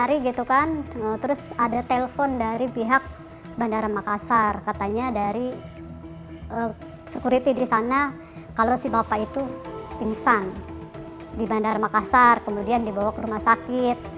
lari gitu kan terus ada telepon dari pihak bandara makassar katanya dari sekuriti di sana kalau si bapak itu pingsan di bandara makassar kemudian dibawa ke rumah sakit